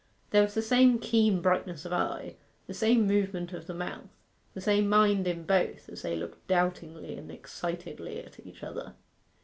There was the same keen brightness of eye, the same movement of the mouth, the same mind in both, as they looked doubtingly and excitedly at each other.